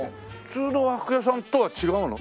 普通の和服屋さんとは違うの？